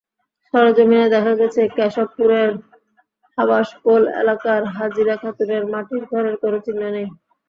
সরেজমিনে দেখা গেছে, কেশবপুরের হাবাসপোল এলাকার হাজিরা খাতুনের মাটির ঘরের কোনো চিহ্ন নেই।